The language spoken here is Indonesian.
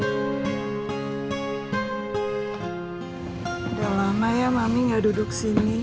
udah lama ya mami gak duduk sini